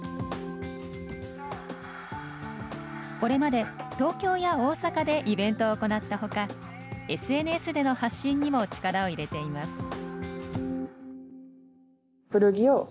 これまで東京や大阪でイベントを行ったほかＳＮＳでの発信にも力を入れています。